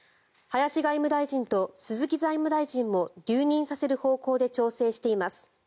林外務大臣と鈴木財務大臣も留任させる方向で調整しています。